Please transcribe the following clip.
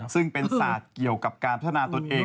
ซึ่งเป็นศาสตร์เกี่ยวกับการพัฒนาตนเอง